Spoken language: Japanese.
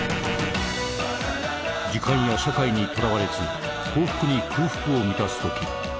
時間や社会にとらわれず幸福に空腹を満たすとき